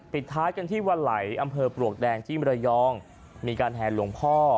ปิดท้ายกันที่วันไหลอำเภอปลวกแดงที่มรยองมีการแห่หลวงพ่อ